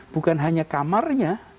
bukan hanya kamarnya